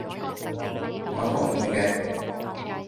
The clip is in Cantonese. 我同意嘅